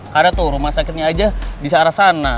karena tuh rumah sakitnya aja bisa arah sana